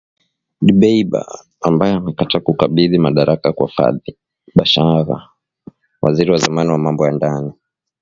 Dbeibah ambaye amekataa kukabidhi madaraka kwa Fathi Bashagha, waziri wa zamani wa mambo ya ndani